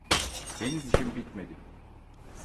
Henüz işim bitmedi.